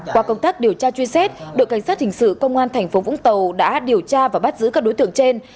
qua công tác điều tra chuyên xét đội cảnh sát hình sự công an thành phố vũng tàu đã điều tra và bắt giữ các đối tượng trên